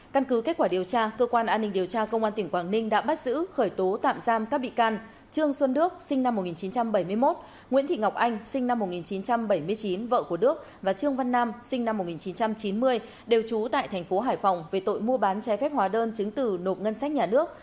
căn cứ kết quả điều tra cơ quan an ninh điều tra công an tỉnh quảng ninh đã bắt giữ khởi tố tạm giam các bị can trương xuân đức sinh năm một nghìn chín trăm bảy mươi một nguyễn thị ngọc anh sinh năm một nghìn chín trăm bảy mươi chín vợ của đức và trương văn nam sinh năm một nghìn chín trăm chín mươi đều trú tại thành phố hải phòng về tội mua bán trái phép hóa đơn chứng từ nộp ngân sách nhà nước